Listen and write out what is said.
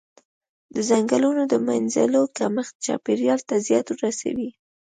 د ځنګلونو د مینځلو کمښت چاپیریال ته زیان رسوي.